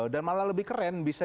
dan malah lebih keren bisa